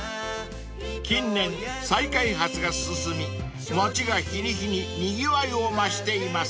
［近年再開発が進み街が日に日ににぎわいを増しています］